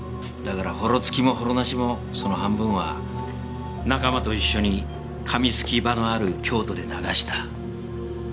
だからホロ付きもホロなしもその半分は仲間と一緒に紙すき場のある京都で流した。